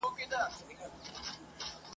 که غوایی دي که وزې پکښی ایله دي !.